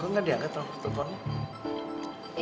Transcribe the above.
kok gak diangkat teleponnya